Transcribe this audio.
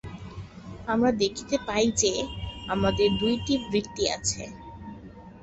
আমরা দেখিতে পাই যে, আমাদের দুইটি বৃত্তি আছে।